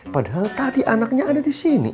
padahal tadi anaknya ada disini